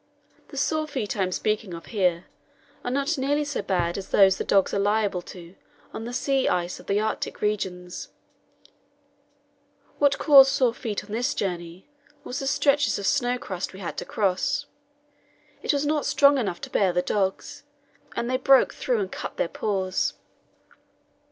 The sore feet I am speaking of here are not nearly so bad as those the dogs are liable to on the sea ice of the Arctic regions. What caused sore feet on this journey was the stretches of snow crust we had to cross; it was not strong enough to bear the dogs, and they broke through and cut their paws.